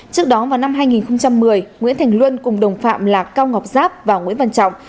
trước đó vào năm hai nghìn một mươi nguyễn thành luân cùng đồng phạm là cao ngọc giáp và nguyễn văn trọng